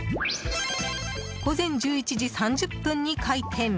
午前１１時３０分に開店。